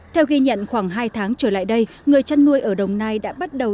theo ghi nhận khoảng hai tháng trở lại đây người chăn nuôi ở đồng nai đã bắt đầu